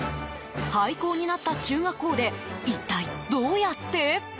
廃校になった中学校で一体どうやって？